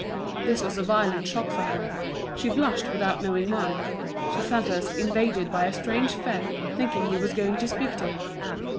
This was a violent shock for her; she blushed without knowing why, she felt herself invaded by a strange fear, thinking he was going to speak to her.